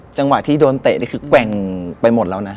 จังหวะที่โดนเตะนี่คือแกว่งไปหมดแล้วนะ